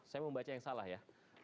saya membaca yang salah ya